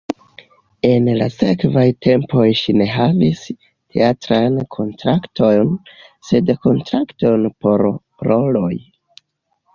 En la sekvaj tempoj ŝi ne havis teatrajn kontraktojn, sed kontraktojn por roloj.